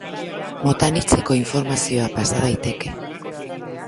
Mota anitzeko informazioa pasa daiteke.